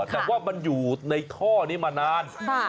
แต่ว่ามันอยู่ในท่อนี้มานาน